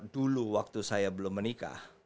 dulu waktu saya belum menikah